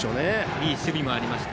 いい守備もありました。